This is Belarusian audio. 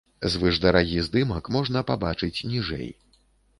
Звышдарагі здымак можна пабачыць ніжэй.